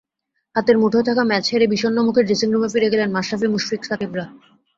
হাতের মুঠোয় থাকা ম্যাচ হেরে বিষণ্ন মুখে ড্রেসিংরুমে ফিরে গেলেন মাশরাফি-মুশফিক-সাকিবরা।